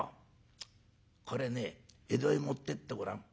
これね江戸へ持ってってごらん。